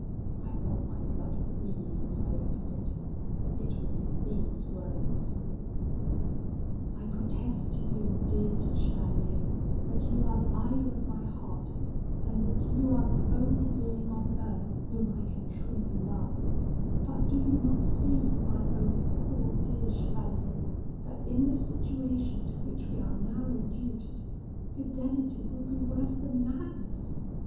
I felt my blood freeze as I opened it; it was in these words: I protest to you, dearest chevalier, that you are the idol of my heart, and that you are the only being on earth whom I can truly love; but do you not see, my own poor dear chevalier, that in the situation to which we are now reduced, fidelity would be worse than madness?